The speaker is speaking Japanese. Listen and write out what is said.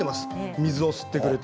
水を吸ってくれて。